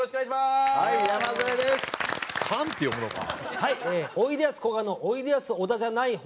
はいおいでやすこがのおいでやす小田じゃない方